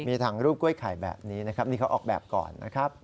มีทางรูปกล้วยไข่แบบนี้นะครับนี่เขาออกแบบก่อนนะครับ